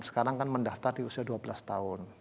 sekarang kan mendaftar di usia dua belas tahun